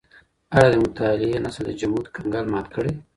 آيا د مطالعې نسل د جمود کنګل مات کړی؟